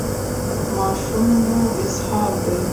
ماشوم مو اسهال دی؟